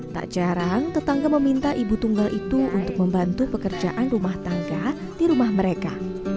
tak jarang tetangga meminta ibu tunggal itu untuk membantu pekerjaan rumah tangga di rumah mereka